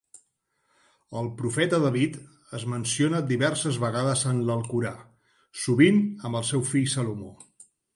El profeta David es menciona diverses vegades en l'Alcorà, sovint amb el seu fill Salomó.